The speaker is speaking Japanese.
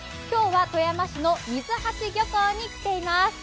今日は、富山市の水橋漁港に来ています。